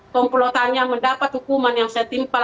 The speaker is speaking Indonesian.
kompulatannya mendapat hukuman yang saya timpal